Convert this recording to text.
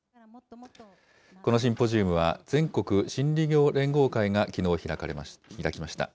このシンポジウムは、全国心理業連合会がきのう開きました。